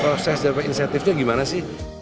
proses insentifnya bagaimana sih